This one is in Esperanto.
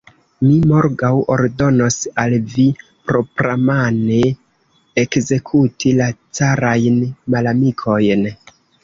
Mi morgaŭ ordonos al vi propramane ekzekuti la carajn malamikojn.